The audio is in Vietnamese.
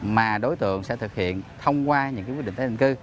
mà đối tượng sẽ thực hiện thông qua những quyết định tái định cư